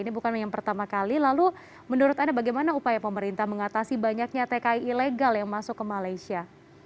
ini bukan yang pertama kali lalu menurut anda bagaimana upaya pemerintah mengatasi banyaknya tki ilegal yang masuk ke malaysia